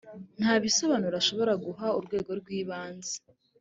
nta bisobanuro ashobora guha urwego rw’ibanze